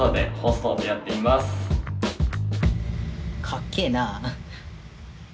かっけえなあ！